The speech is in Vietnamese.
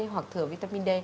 hoặc thừa vitamin d